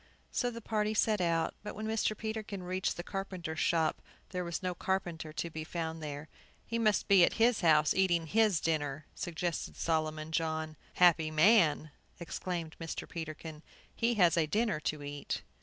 So the party set out. But when Mr. Peterkin reached the carpenter's shop, there was no carpenter to be found there. "He must be at his house, eating his dinner," suggested Solomon John. "Happy man," exclaimed Mr. Peterkin, "he has a dinner to eat!"